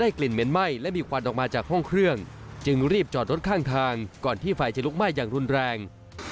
อ๋อไม่เห็นแล้วแต่มันแป๊บเดียวมันไม่ไหวมาก